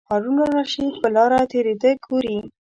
هارون الرشید په لاره تېرېده ګوري.